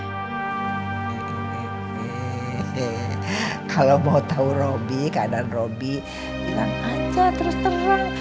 hehehe kalau mau tahu robby keadaan roby bilang aja terus terang